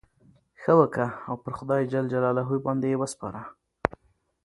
ښه وکه! او پر خدای جل جلاله باندي ئې وسپاره.